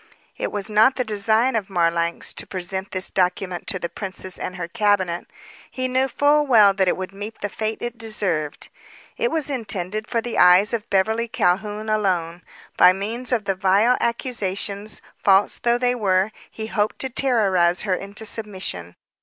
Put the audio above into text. It was not the design of Marlanx to present this document to the princess and her cabinet. He knew full well that it would meet the fate it deserved. It was intended for the eyes of Beverly Calhoun alone. By means of the vile accusations, false though they were, he hoped to terrorize her into submission.